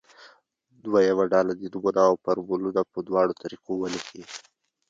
دویمه ډله دې نومونه او فورمولونه په دواړو طریقه ولیکي.